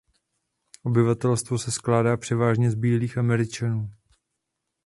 Obyvatelstvo se skládá převážně z Bílých Američanů.